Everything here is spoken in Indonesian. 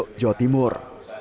sidoarjo jawa timur